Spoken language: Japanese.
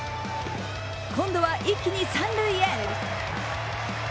今度は一気に三塁へ。